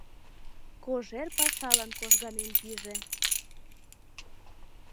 Кожер пашалан кожганен пиже.